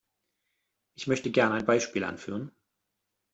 Ich möchte gern ein Beispiel anführen.